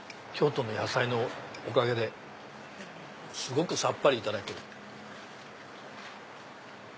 京都の野菜のおかげですごくさっぱりいただける。